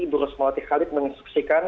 burus malati khalid menginstruksikan